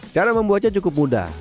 cara membuatnya cukup mudah